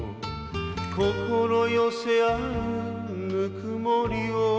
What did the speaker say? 「心寄せ合うぬくもりを」